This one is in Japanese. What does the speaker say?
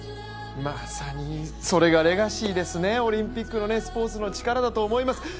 まさにそれがレガシーですね、オリンピックのね、スポ−ツのチカラだと思います。